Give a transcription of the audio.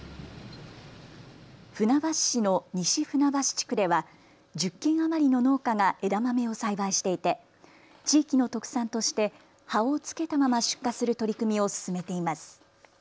船橋市の西船橋地区では１０軒余りの農家が枝豆を栽培していて地域の特産として葉を付けたまま出荷する取り組みを進めています。